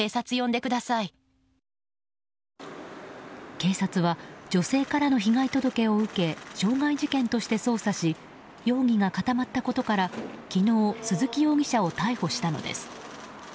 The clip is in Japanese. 警察は女性からの被害届を受け傷害事件として捜査し容疑が固まったことから昨日、鈴木容疑者を逮捕したのです。